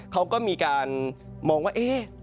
เค้าก็มีการมองว่า